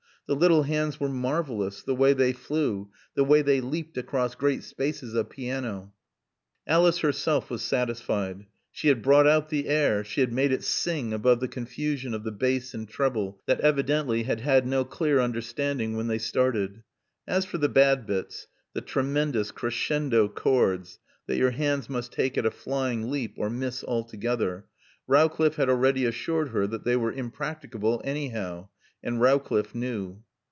The little hands were marvelous the way they flew, the way they leaped across great spaces of piano. Alice herself was satisfied. She had brought out the air; she had made it sing above the confusion of the bass and treble that evidently had had no clear understanding when they started; as for the bad bits, the tremendous crescendo chords that your hands must take at a flying leap or miss altogether, Rowcliffe had already assured her that they were impracticable anyhow; and Rowcliffe knew.